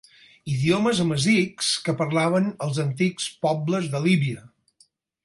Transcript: Idiomes amazics que parlaven els antics pobles de Líbia.